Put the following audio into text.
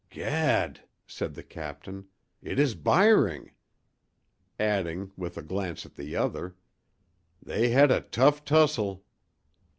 "Gad!" said the captain—"It is Byring!"—adding, with a glance at the other, "They had a tough tussle."